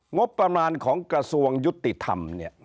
งบประมาณของกระทรวงยุติธรรมเนี่ย